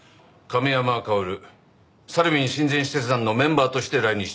亀山薫サルウィン親善使節団のメンバーとして来日中。